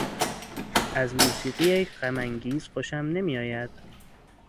از موسیقی غمانگیز خوشم نمیآید.